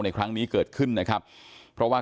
ไม่รู้เลยค่ะดาวน์ไม่ออกเพราะว่า